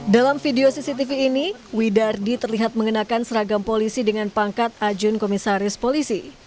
dalam video cctv ini widardi terlihat mengenakan seragam polisi dengan pangkat ajun komisaris polisi